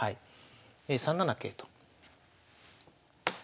３七桂と。